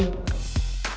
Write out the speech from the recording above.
sampai ketemu lagi